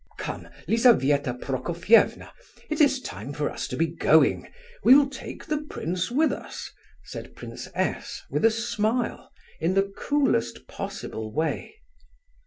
"Come, Lizabetha Prokofievna, it is quite time for us to be going, we will take the prince with us," said Prince S. with a smile, in the coolest possible way.